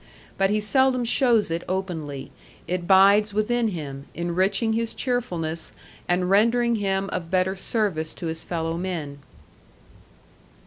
But he seldom shows it openly; it bides within him, enriching his cheerfulness and rendering him of better service to his fellow men.